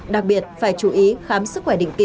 đặc biệt phải chú ý khám sức khỏe định kỳ